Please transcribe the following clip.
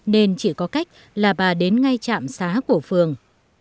nên chỉ có cách là bà đến ngay trạm xá của phường